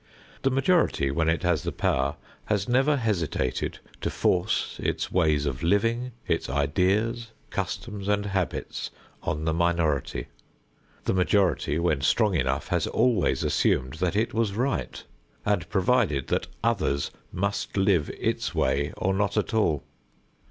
The majority, when it has the power, has never hesitated to force its ways of living, its ideas, customs and habits on the minority. The majority, when strong enough, has always assumed that it was right, and provided that others must live its way or not at all.